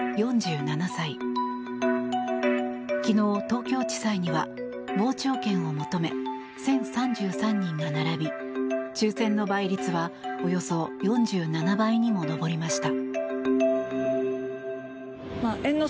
昨日、東京地裁には傍聴券を求め１０３３人が並び抽選の倍率はおよそ４７倍にも上りました。